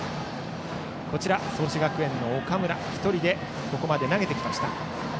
創志学園の岡村は１人でここまで投げてきました。